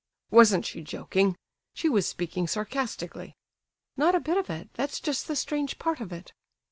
"Wasn't she joking? She was speaking sarcastically!" "Not a bit of it; that's just the strange part of it."